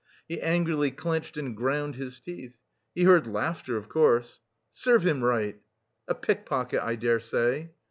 He angrily clenched and ground his teeth. He heard laughter, of course. "Serves him right!" "A pickpocket I dare say."